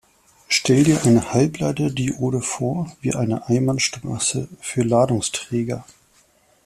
Stell dir eine Halbleiter-Diode vor wie eine Einbahnstraße für Ladungsträger.